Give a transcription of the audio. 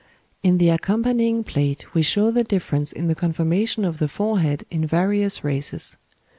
In the accompanying plate we show the difference in the conformation of the forehead in various races.